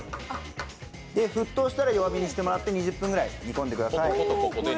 沸騰したら弱火にしてもらって２０分ぐらい煮込んでください。